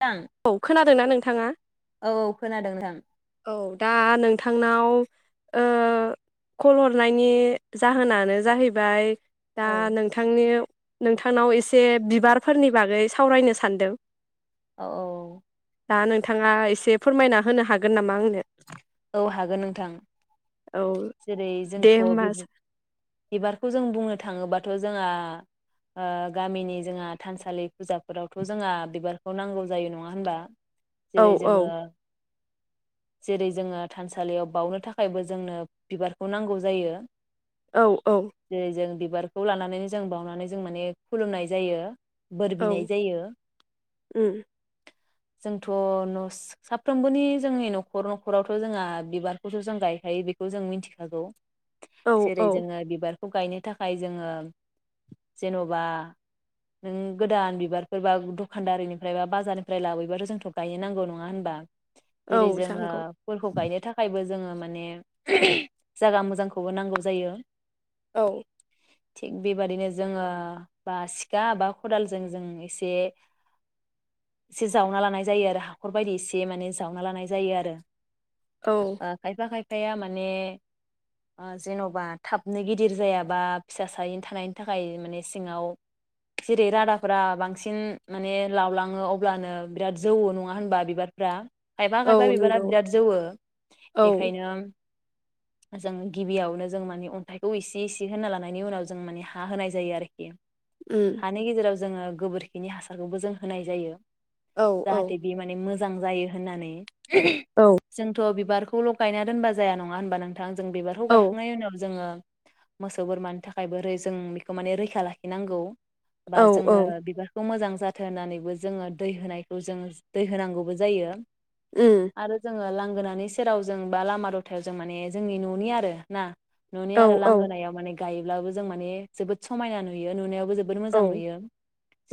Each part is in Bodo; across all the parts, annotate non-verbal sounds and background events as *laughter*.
थां औ खोनादोंना नोंथाङा? औ औ खोनादों नोंथां औ दा नोंथांनाव ओ कल हरनायनि जाहोनानो जाहैबाय दा औ नोंथांनियाव। नोंथांनाव एसे बिबारफोरनि बागै सावरायनो सानदों। औ औ। दा नोंथाङा एसे फोरमायना होनो हागोन नामा? आंनो औ हागोन नोंथां औ जेरै दे जोंथ' होमबा बिबार बिबारखौ जों बुंनो थाङोबाथ'। थ जोंहा ओ गामिनि जोंहा थानसालि फुजाफोरावथ जोंहा बिबारखौ नांगौ जायो नंङा होनबा? औ जेरै औ जोङो। जेरै जोंङो थानसालियाव बाउनो थाखायबो जोंनो बिबारखौ नांगौ जायो। औ औ जेरै जों बिबारखौ लानानै जों बावनानै जों माने खुलुमनाय जायो बोर औ बिनाय जायो उम जोंथ न साफ्रोमबोनि जोंनि नखर नखर नखरावथ जोंहा बिबारखौथ जों गायखायो बेखौ जों मिथिखागौ औ जेरै औ जोंङो बिबार थ गायनो थाखाय जोङो जेनबा नों गोदान बिबारफोरबा दखानदारिनिफ्राय बा बाजारनिफ्राय लाबोयोबाथ जोंथ गायनो नांगौ नङा होनबा *unintelligible* औ जोङो जांगौ फोरखौ गायनो थाखायबो जोङो माने *unintelligible* जागा मोजांखौबो नांगौ जायो औ थिग बेबादिनो जोङो बा सिखा बा खदालजों जों एसे एसे जावना लानाय जायो आरो हाखर बायदि एसे माने जावना लानाय जा जायो आरो औ आ खायबा खाय आखाया माने जेनबा थाबनो गिदिर जायाबा फिसा सायैनो थानायनि थाखाय माने सिङाव जेरै रादाफोरा बांसिन माने लावलाङो अब्लानो बिराद जौ नङा होनबा बिबारफ्रा बा औ बिबारा नंगौ बिराद जौवो औ एखायनोम जों गिबियावनो जों माने अन्थाइखौ इसे इसे होनना लानायनि उनाव जों माने हा होनाय जायो आरोखि। उम हानि गेजेराव जोङो गोबोरखिनि हासारखौबो जों होनाय जायो। औ औ जाहाथे बे माने मो जां जायो होननानै। औ जोंथ बिबार खौल गायना दोनबा जाया नङा होनबा नोंथां। जों बिबारखौ औ गायखांनायनि उनाव जोङो। मोसौ बोरमानि थाखाय बोरै जों बेखौ माने रैखा लाखिनांगौ बा औ जोङो औ बिबारखौ मोजां। जाथों होनानैबो जोङो दै होनायखौ जों दै होनांगौबो जायो। उम आरो जोङो लां गोनानि सेराव जों बा लामा दथायाव जों माने जोंनि ननि आरो ना न'नि औ आरो औ लांगोनायाव माने गायोब्लाबो जों माने जोबोद समायना नुयो, नुनायाव बो जोबोद मोजां उम नुयो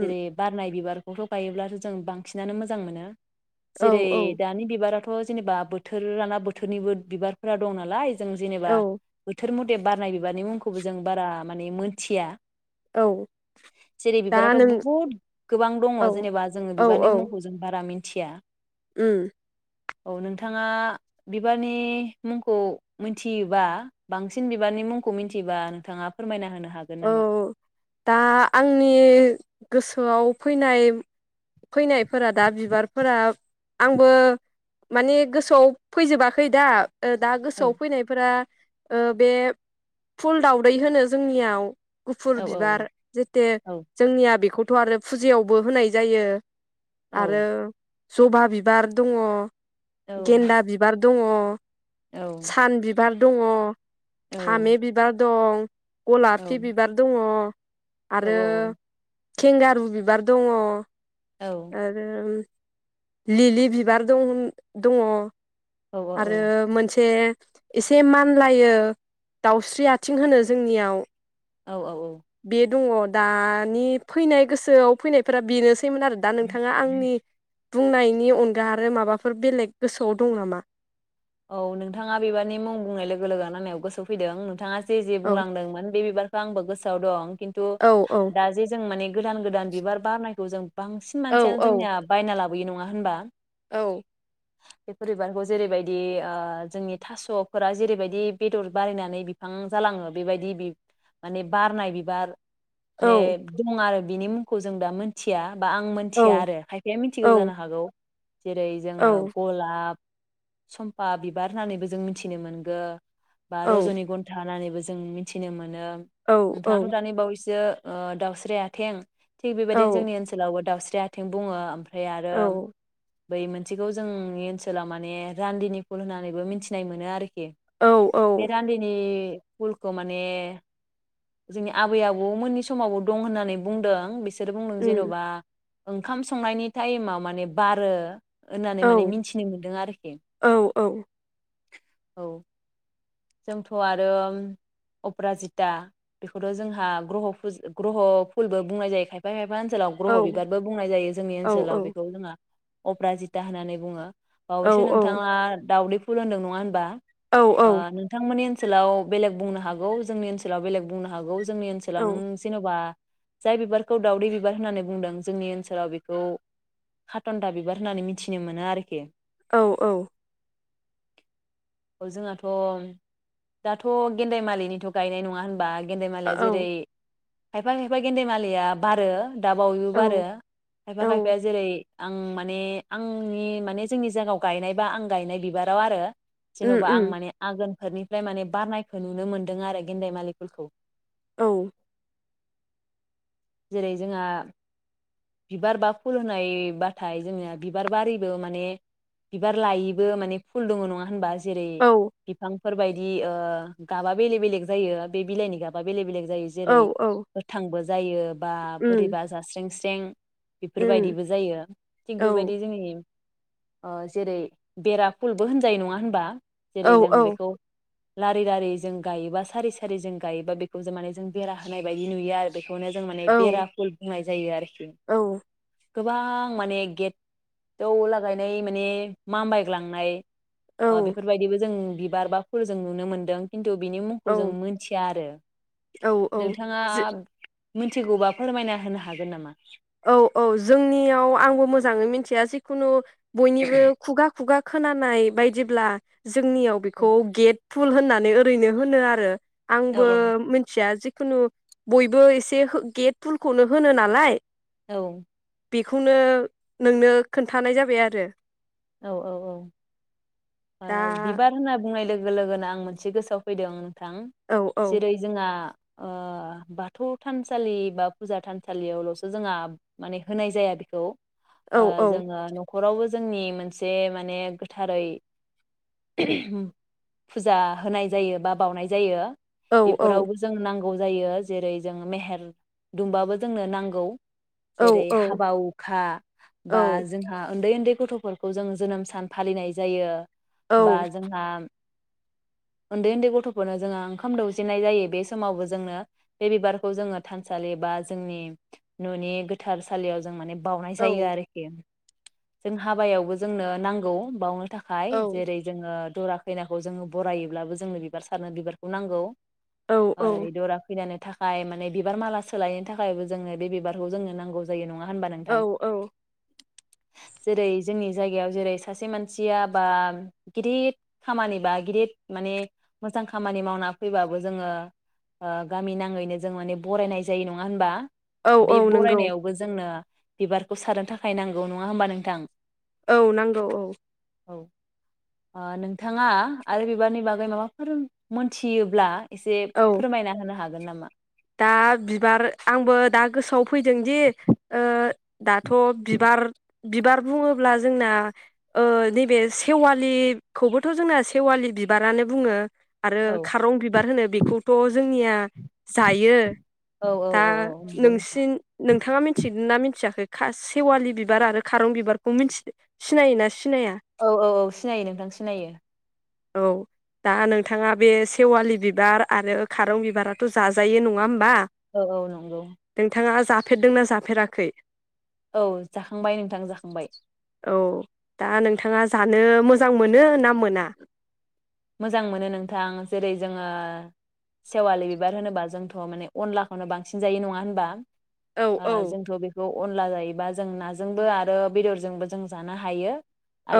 जेरै बारनाय बिबारफ खौथ गायोब्लानो जों बांसिनानो मोजां मोनो। औ औ बि बिबाराथ जेनेबा बोथोर लाना बोथोरनिबो बिबारफोरा दं नालाय जों जेनेबा औ बोथोर म बे बारनाय बिबारनि मुंखौबो जों बारा माने मोनथिया। औ जेरै दा बिबाराथ नों बहुत गोबां दङ, औ जेनेबा जोङो बिबारनि मुंखौ जों बारा मि थिया। ओम। औ नोंथाङा बिबारनि मुंखौ मिथियोबा बांसिन बिबारनि मुंखौ मिथियोबा नोंथाङा फोरमायना होनो हागोन औ नामा? दा आंनि। गोसोआव फैनाय फैनायफोरा दा बिबारफोरा आंबो माने गोसोआव फैजोबाखै दा ओ दा औ गोसोआव फैनायफोरा। ओ बे फुल दावदै होनो जोंनियाव। गुफुर औ बिबार जेते औ जोंनिया बेखौ थ आरो फुजायावबो होनाय जायो। औ आरो। जबा बिबार दङ औ गेन्दा बिबार दङ औ *inaudible* सान बिबार दङ फामे बिबार दं औ फि बिबार दङ औ आरो औ थेंगारु बिबार दङ। आरो लिलि बिबार दं दङ आरो मोनसे एसे मानलायो दाउस्रि आथिं होनो जोंनियाव औ औ औ बे दङ दानि फैनाय गोसोआव फैनायफोरा बेनो सैमोन आरो दा नोंथाङा औ आंनि बुंनायनि अनगा आरो माबाफोर बेलेग गोसोआव दं नामा? औ नोंथाङा बिबारनि मुं बुंनाय लोगो लोगो आंनियाव गोसो फैदों नोंथाङा जे जे औ बुंलांदोंमोन बे बिबार आंबो गोसोआव दं। किन्तु औ औ दा जे जों माने गोदान गोदान बिबार बारनायखौ जों बांसिन औ मानसियानो औ जोंनिया बायना लाब बै नङा होनबा औ बेफोर बिबारखौ जेरैबाय बे ओ जोंनि थासफोरा जेरैबायदि बेदर बारिनानै बिफां जालाङो बेबायदि बि माने बारनाय बिबार औ ने दं आरो बिनि मुंखौ जों दा मोनथिया बा आं औ मोन्थिया आरो, खायफाया औ मिथिगौबो जानो हागौ। जेरै जोङो औ गलाब सम्पा बिबार होननानैबो जों मिथिनो मोनगो बा रजनि घन्था होनानानैबो जों मिथिनो मोनो औ औ नोंथांङाथ' दानि बावैसो ओ दाउस्रि आथें थिग औ बेबायदिनो जोंनि ओनसोलावबो दावउसिन जेहाथिं बुङो ओ ओमफ्राय आरो औ बै मोनसेखौ जोंनि ओनसोला माने रान्दिनि फुल होननानैबो मिथिनाय मोनो आरोखि औ बे औ रान्दि उलखौ माने जोंनि आबै आबौ मोननि समावबो दं होननानै बुंदों बिसो सोरो बुं नों उम जेनबा ओंखाम संनायनि टाइमाव माने बारो होननानै औ माने मिथिनो मोन्दों आरोखि औ औ औ जोंथ आरो अप्रााजिता बेखौथ जोंहा ग्रह फु ग्रह फुलबो बुंनाय जायो खायफा खायफानो ओनसोलाव औ ग्रह बिबारबो बुंनाय जायो जोंनि औ ओनसोलाव बेखौ जोंहा अप्राजिता होननानै बुङो । औ बावैसो नोंथांङा दाावदै फुलुमदों नङा होनबा? औ औ योनि ओनोलाव बेलग बुंनो हागौ जोंनि ओनसाव बेले बुंनो हागौ। जोंनि औ ओनसोलाव नों जेनबा जाय बिबारखौ दावदै बिबार होननानै बुंदों जोंनि ओनसोलाव बेखौ खाटन्दा बिबार होननानै मिथिनो मोनो आरोखि। औ औ औ जोंहथ दाथ गेन्दाय मालिनिथ गायनाय नङा होनबा। गेन्देमालाया जेरै खायफा खायफा गेन्देमालिया बारो औ दाबावोबो आरो खायफा खायफाया जेरै आं माने आंनि माने जोंनि जायगायाव गायनाय बा आं गायनाय बिबाराव आरो उम जेनबा उम आं माने आगोन फोरनिफ्राय माने बारनायखौ नुनो मोन्दों आरो गेन्देमालिफोरखौ औ जेरै जोंहा बिबार बा फुल होननायबाथाय जोंनिया बिबार बारिबो माने बिबार लायैबो माने फुल दङ नङा होनबा? जेरै औ फोर बायदि ओ गाबा बेले बेलेग जायो बे बिलाइनि गाबा बेले बेले जायो जेरै औ उम औ गोथांबो जायो बा बोरैबा जास्रें। जें बेफोरबायदिबो जायो थिग बेबायदि जोंनि ओ जेरै बेरा फुलबो होनजायो नंङा होनबा औ जेरै जों औ बेखौ लारि लारि जों गायोबा सारि सारि जों गायोबा बेखौ जों माने जों बेरा होनाय बायदि नुयो आरो। बेखौनो जों माने बेरा फुल बुंनाय जायो आरो औ गोबां माने गेटआव लागायनाय माने माम बायग्लांनाय। अ बेफोरबायदिबो जों बारबाफोर जों नुनो मोन्दों खिन्थु बिनि मुंखौ जों मोनथिया आरो औ औ नोंथाङा जो मिथिगौबा फोरमायना होनो हागोन नामा? औ औ जोंनियाव आंबो मोजांङै मिथिया जिखुनु बयनिबो खुगा खुगा खोनानाय बायदिब्ला जोंनियाव औ बेखौ गेट फुल होननानै ओरैनो होनो आरो। औ आंबो मिथिया जो खुनु बयबो एसे गेट फुलखौनो होनो नालाय औ। बेखौनो नोंनो खोन्थानाय जाबाय आरो । औ औ दा औ बिबार होनना बुंनाय लोगो। लोगो लोगोनो आं मोनसे गोसोआव फैदों थां औ औ जेरै जोंहा ओ बाथौ थानसालि बा फुजा थानसालियावलसो जोंहा माने होनाय जाया बेखौ। औ ओ औ जोंङो नं नखरावबो जोंनि मोनसे मोनसे माने गोथारै फुजा होनाय जायो बा बावनाय जायो औ बेफोरावबो जों नांगौ। गौ जायो जेरै जों मेहेर दुमबाबो जोंनो नांगौ जेरै औ औ हाबा हुखा औ बा जोंहा उन्दै उन्दै गथ'फोर खौ जों जोनोम सान फालिनाय जायो। औ बा जोंहा उन्दै उन्दै गथफोरनो जोंहा ओंखाम दौजेननाय जायो बे समावबो जोंनो बे बिबारखौ जोङो थानसालि बा जोंनि ननि गोथारसालियाव जों माने। बावनाय औ जायो आरोखि जों हाबायावबो। जोंनो नांगौ बावनो थाखाय जेरै जोङो दरा खैनाखौ जोङो बरायोब्लाबो जोंनो बिबार सारनो बिबारखौ नांगौ आरो दरा खैनानो थाखाय माने बिबार माला सोलायनो थाखायबो जोंनो बे बिबारखौ जोंनो नांगौ जायो नङा होनबा नोंथां औ औ जेरै जोंनि जायगायाव जेरै सासे मानसिया बा गिदिद खामानि बा गिदिद माने मोजां खामानि मावना फैबाबो जोङो ओ गामि नाङैनो जों माने बरायनाय जायो नङा होनबा औ औ बे नंगौ बरायनायावबो जोंनो। बिबारखौ सारनो थाखाय नांगौ नङा होमबा नोंथां औ नांगौ औ। औ नोंथाङा आरो बिबारनि बागै माबाफोर मोनथियोब्ला एसे औ फोरमायना होनो हाग नोनामा दा बिबार आंबो दा गोसोआव फैदों दि ओ दाथ' बिबार बिबार बुङोब्ला जोंना ओ नैबे सेवालिखौबोथ' जोंना सेवालि बिबारानो बुङो। आरो औ खारं बिबार होनो बेखौथ जोंनिया जायो औ दा औ औ नंगौ नोंसिन नोंथाङा मिथिगोन ना मिथियाखै? खासि सेवालि बिबार आरो खारं बिबारखौ मिथि सिनायोना सिनाया औ औ औ सिनायो नोंथां सिनायो। औ दा नोंथाङा बे सेवालि बिबार आरो खारं बिबाराथ' जाजायो नङा होमबा? औ औ नंगौ फेरदोंना जाफेराखै औ जाखांबाय नोंथां जाखांबाय। औ दा नोंथाङा जानो मोजां मोनो ना मोना। मोजां मोनो नोंथां जेरै जोङो सेवालि बिबार होनोबा जोंथ माने अनलाखौनो बांसिन जायो नङा होनबा औ ओ औ जोंथ' बेखौ अनला जायोबा जों नाजोंबो आरो बेदरजोंबो जों जानो हायो।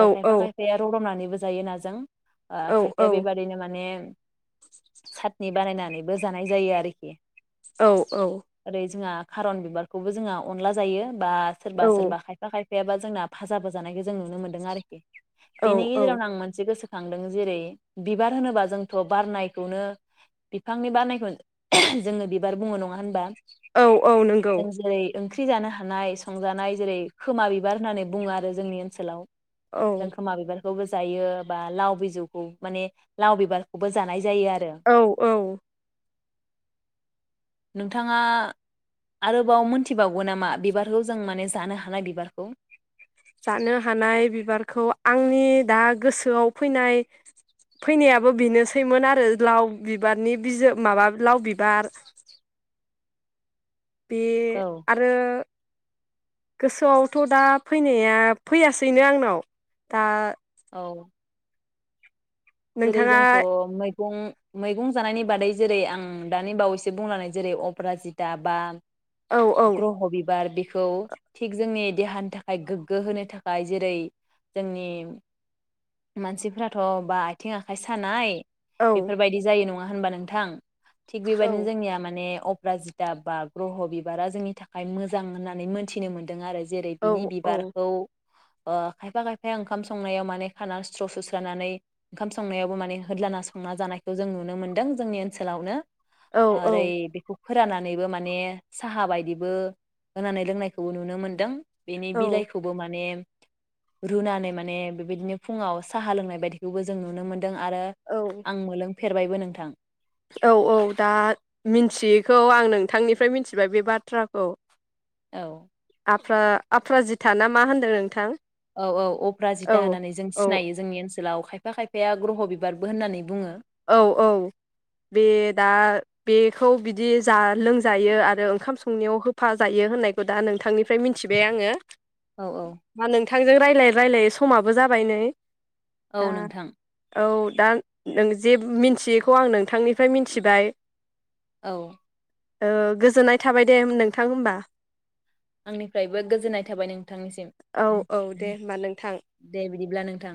औ औ खायफा खायफाया रदबनानैबो जायो नाजों। ओ औ औ खायसेया बेबादिनो माने साटनि बानायनानैबो जानाय जायो आरोखि औ औ ओरै जोंहा खारन बिबारखौबो जोंहा अनला जायो। बा सोरबा सोरबा खायफा खायफा बा जोंना भाजाबो जानायखौ जों नुनो मोन्दों आरो। औ बेनि गेजेरावनो आं मोनसे गोसो दों जेरै बिबार होनोबा जोंथ बारनायखौनो बिफांनि बारनायखौनो जोङो बिबार बुङो नङा होनबा? औ औ नोंगौ जों जेरै ओंख्रि जानो हानाय संजानाय जेरै खोमा बिबार होननानै बुङो आरो जोंनि ओनसोलाव। औ *inaudible* जों खोमा बिबार खौबो जायो बा लाव बिजौखौ माने लाव बिबारखौबो जानाय जायो आरो औ औ नोंथाङा आरोबाव मोनथिबावगो नामा बिबारखौ जों माने जानो हानाय बिबारखौ? जानो हानाय बिबारखौ आंनि दा गोसोआव फैनाय फैनायाबो बेनोसैमोन आरो लाव बिबारनि बिजौ माबा लाव बिबार बे औ आरो गोसोआवथ दा फैनाया फैयासैनो आंनाव दा औ जेरै नोंथाङा जोंथ मै मैगं मैगं जानायनि बादै जेरै आं दानि बावैसो बुंलांनाय जेरै अपराजिता बा औ औ ग्रह बिबार बे खौ थिग जोंनि देहानि थाखाय गोग्गो होनो थाखाय जेरै जोंनि मानसिफ्राथ बा आथिं आखाइ सानाय औ बेफोरबायदि जायो नङा होनबा नोंथां थिग औ बेबायदिनो जोंनिया माने अप राजिता बा ग्रह बिबारा जोंनि थाखाय मोजां होननानै मोनथिनो मोनदों आरो। जेरै औ बिनि औ बिबारखौ ओ खायफा खायफाया ओंखाम संनायाव माने खाना स्र' सुस्रानानै ओंखाम संनायावबो माने होदलाना संना जानायखौ जों नुनो मोन्दों जोंनि ओनसोलावनो। औ आरो औ रै ब फोराननानैबो माने साहा बायदिबो होनानै लोंनायखौबो नुनो मोनदों। बेनि औ बिलाइखौबो माने रुनानै माने बेबायदिनो फुङाव साहा लोंनाय बायदि बेवबो जों नुनो मोन दों आरो आं मोलों फेरबायबो नोंथां। औ औ दा मिन्थियैखौ आं नोंथांनिफ्राय मिथिबाय बे बाथ्राखौ। औ आफ्रा-आफ्रा जिथा ना मा होन्दों नोंथां। औ औ अप्रा औ जिता होननानै जों औ सिनायो जोंनि ओनसोलाव। खायफा खायफाया ग्रह बिबारबो होननानै बुङो‌ । औ औ बे दा बेखौ बिदि जा लोंजायो आरो ओंखाम संनायाव होफा जायो होननायखौ दा नोंथांनिफ्राय मिथिबाय आंङो । औ औ थांजों रायलाय रायलायै समाबो जाबाय नै । औ दा नोंथां औ दा नों जे मिन्थियैखौ आं नोंथांनिफ्राय मिथिबाय। औ। ओ गोजोननाय थाबाय दे नोंथां होमबा । आंनिफ्रायबो गोजोननाय थाबाय नोंथांनिसिम औ औ दे होमबा नोंथां दे बिदिब्ला नोंथां।